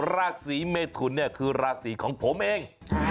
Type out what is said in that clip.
ราศีเมทุนเนี่ยคือราศีของผมเอง